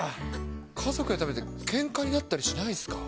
家族で食べるとき、けんかになったりしないっすか？